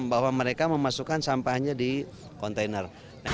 bahwa mereka memasukkan sampahnya di kontainer